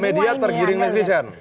oh media tergiring netizen